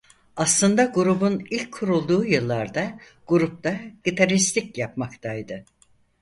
Aslında grubun ilk kurulduğu yıllarda grupta gitaristlik yapmaktaydı.